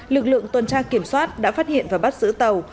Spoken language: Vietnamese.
lực lượng tuần tra kiểm soát đã phát hiện và bắt giữ tàu